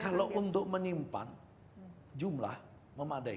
kalau untuk menyimpan jumlah memadai